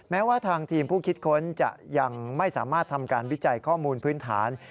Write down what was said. แม้ว่าทางทีมผู้คิดค้นจะยังไม่สามารถทำการวิจัยข้อมูลพื้นฐาน